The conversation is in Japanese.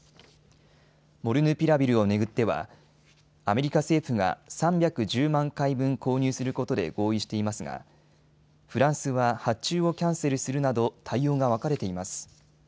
モルヌピラビルを巡ってはアメリカ政府が３１０万回分購入することで合意していますがフランスは発注をキャンセルするなど対応が分かれています。